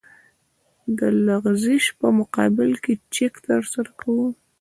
د لغزش په مقابل کې چک ترسره کوو